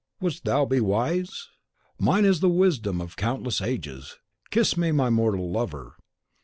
Wouldst thou be wise? Mine is the wisdom of the countless ages. Kiss me, my mortal lover."